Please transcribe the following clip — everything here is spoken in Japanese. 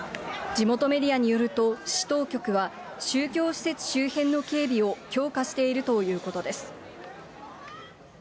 地元メディアによると、市当局は、宗教施設周辺の警備を強化しているということです。